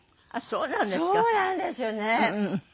そうなんですよね。